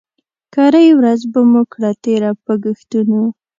کرۍ ورځ به مو کړه تېره په ګښتونو